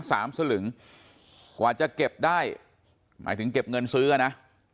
สลึงกว่าจะเก็บได้หมายถึงเก็บเงินซื้ออ่ะนะ